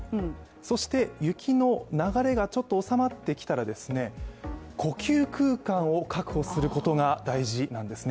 そして雪の流れがちょっとおさまってきたら呼吸空間を確保することが大事なんですね。